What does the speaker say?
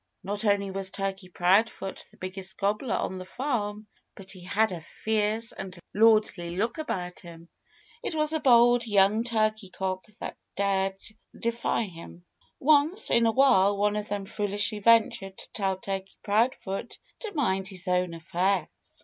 Not only was Turkey Proudfoot the biggest gobbler on the farm, but he had a fierce and lordly look about him. It was a bold young turkey cock that dared defy him. Once in a while one of them foolishly ventured to tell Turkey Proudfoot to mind his own affairs.